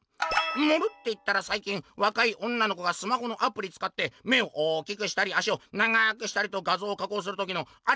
「『盛る』っていったらさい近わかい女の子がスマホのアプリつかって目を大きくしたり足を長くしたりと画像を加工する時のアレだよね？」。